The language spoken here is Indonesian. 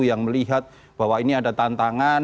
yang melihat bahwa ini ada tantangan